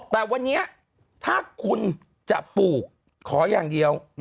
แต่วันนี้ถ้าคุณจะปลูกขออย่างเดียว